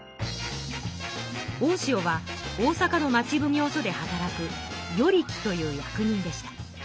大塩は大阪の町奉行所で働く与力という役人でした。